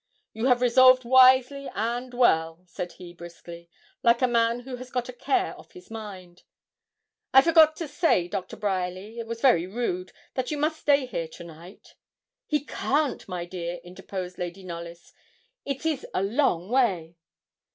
'You have resolved wisely and well,' said he, briskly, like a man who has got a care off his mind. 'I forgot to say, Doctor Bryerly it was very rude that you must stay here to night.' 'He can't, my dear,' interposed Lady Knolly's; 'it is a long way.'